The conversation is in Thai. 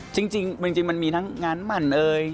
จริงมันมีทั้งงานหมั่นเอ่ย